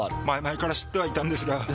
前々から知ってはいたんですが。